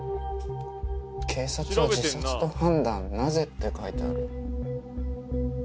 「警察は自殺と判断何故？」って書いてある。